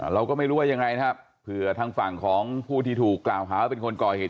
เราก็ไม่รู้ว่ายังไงนะครับเผื่อทางฝั่งของผู้ที่ถูกกล่าวหาว่าเป็นคนก่อเหตุ